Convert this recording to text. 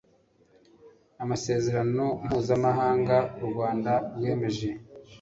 amasezerano mpuzamahanga u Rwanda rwemeje